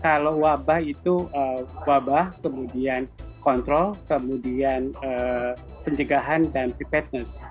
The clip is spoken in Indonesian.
kalau wabah itu wabah kemudian kontrol kemudian pencegahan dan repadness